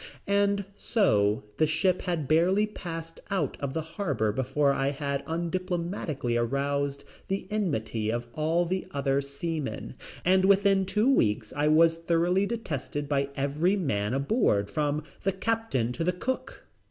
And so the ship had barely passed out of the harbor before I had undiplomatically aroused the enmity of all the other seamen, and within two weeks I was thoroughly detested by every man aboard from the captain to the cook.